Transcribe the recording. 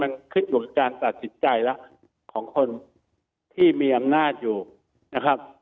มันขึ้นอยู่กับการตัดสินใจแล้วของคนที่มีอำนาจอยู่นะครับ